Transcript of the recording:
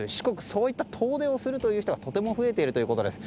そういった遠出をする人がとても増えているということです。